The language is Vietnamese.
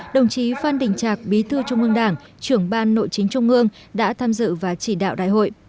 đồng chí phan đình trạc bí thư trung ương đảng trưởng ban nội chính trung ương đã tham dự và chỉ đạo đại hội